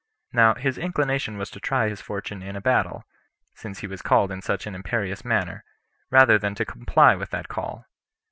Now his inclination was to try his fortune in a battle, since he was called in such an imperious manner, rather than to comply with that call.